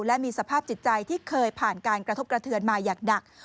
และมีสภาพจิตใจที่เคยผ่านการกระทบกระเทือนมาอย่างหนัก